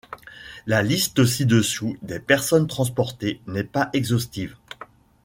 La liste ci-dessous des personnes transportées n'est pas exhaustive.